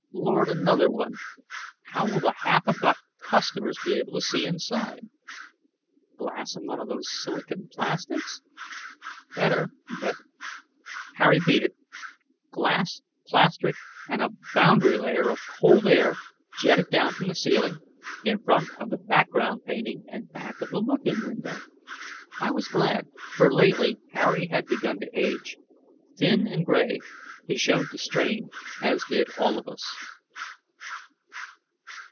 Lord, another one: how will the half a buck customers be able to see inside? Glass and one of those silicon plastics? Better, but Harry beat it: glass, plastic, and a boundary layer of cold air, jetted down from the ceiling, in front of the background painting and back of the look in window. I was glad, for lately, Harry had begun to age. Thin and gray, he showed the strain as did all of us.